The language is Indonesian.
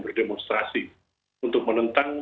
berdemonstrasi untuk menentang